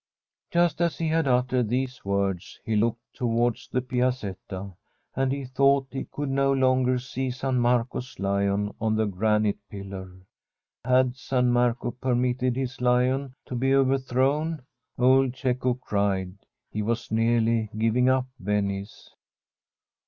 Just as he had uttered these words he looked towards the Piazetta, and he thought he could no longer see San Marco's lion on the granite pillar. Had San Marco permitted his lion to be overthrown? old Cecco cried. He was nearly giving up Venice.